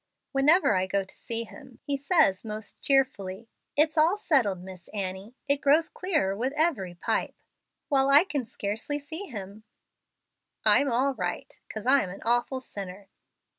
Whenever I go to see him he says, most cheerfully, 'It's all settled, Miss Annie. It grows clearer with every pipe' (while I can scarcely see him), 'I'm all right, 'cause I'm an awful sinner.'"